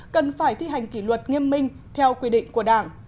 cần phải thi hành kỷ luật nghiêm minh theo quy định của đảng